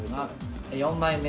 ４枚目。